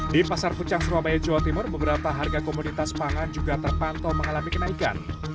di pasar pucang surabaya jawa timur beberapa harga komoditas pangan juga terpantau mengalami kenaikan